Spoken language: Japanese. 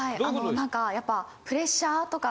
なんかやっぱプレッシャーとか。